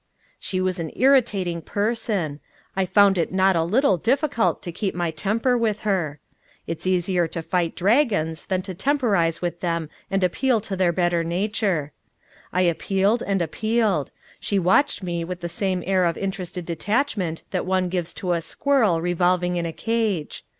She was an irritating person. I found it not a little difficult to keep my temper with her. It's easier to fight dragons than to temporize with them and appeal to their better nature. I appealed and appealed. She watched me with the same air of interested detachment that one gives to a squirrel revolving in a cage.